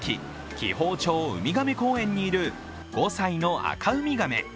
紀宝町ウミガメ公園にいる５歳のアカウミガメ。